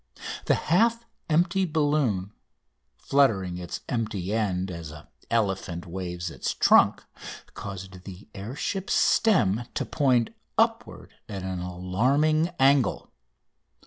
The half empty balloon, fluttering its empty end as an elephant waves his trunk, caused the air ship's stem to point upward at an alarming angle.